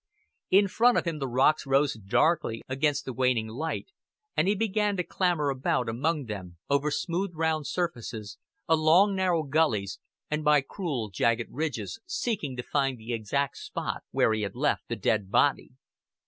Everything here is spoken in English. In front of him the rocks rose darkly against the waning light, and he began to clamber about among them, over smooth round surfaces, along narrow gullies, and by cruel jagged ridges, seeking to find the exact spot where he had left the dead body.